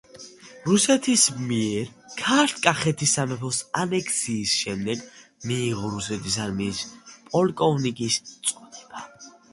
რუსეთის მიერ ქართლ-კახეთის სამეფოს ანექსიის შემდეგ მიიღო რუსეთის არმიის პოლკოვნიკის წოდება.